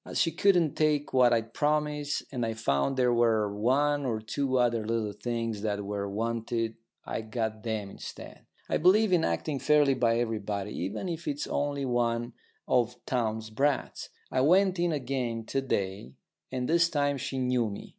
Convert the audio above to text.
As she couldn't take what I'd promised, and I found there were one or two other little things that were wanted, I got them instead. I believe in acting fairly by everybody, even if it's only one of Townes' brats. I went in again to day, and this time she knew me.